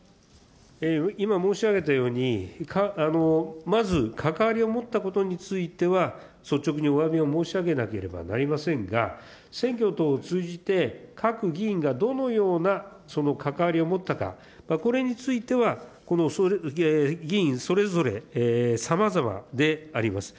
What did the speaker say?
今申し上げたように、まず、関わりを持ったことについては、率直におわびを申し上げなければなりませんが、選挙等を通じて、各議員がどのような関わりを持ったか、これについては、この議員それぞれさまざまであります。